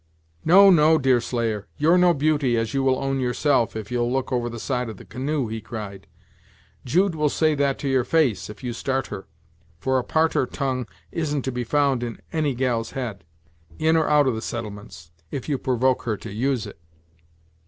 "No, no, Deerslayer, you're no beauty, as you will own yourself, if you'll look over the side of the canoe," he cried; "Jude will say that to your face, if you start her, for a tarter tongue isn't to be found in any gal's head, in or out of the settlements, if you provoke her to use it.